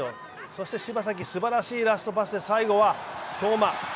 そして柴崎、すばらしいラストパスで最後、相馬。